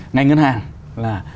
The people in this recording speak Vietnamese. ngành ngân hàng là